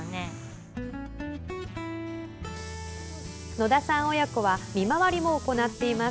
野田さん親子は見回りも行っています。